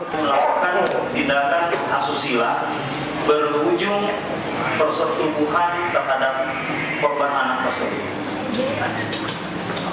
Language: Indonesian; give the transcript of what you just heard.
melakukan tindakan asusila berujung persertubuhan terhadap korban anak anak sendiri